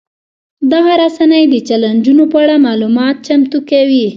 دغه رسنۍ د چلنجونو په اړه معلومات چمتو کوي.